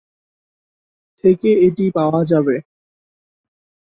থেকে এটি পাওয়া যাবে।